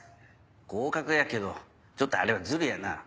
合格やけどちょっとあれはズルやな。